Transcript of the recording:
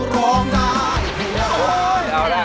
ร้องได้ให้ล้าน